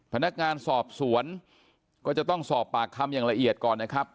พนักงานสอบสวนก็จะต้องสอบปากคำอย่างละเอียดก่อนนะครับ